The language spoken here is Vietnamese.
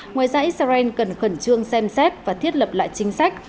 ngoài ra israel cần khẩn trương xem xét và thiết lập lại chính sách